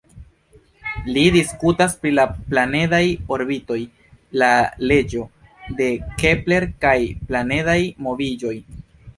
Li diskutas pri la planedaj orbitoj, la leĝo de Kepler kaj planedaj moviĝoj.